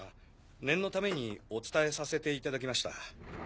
念のためにお伝えさせていただきました。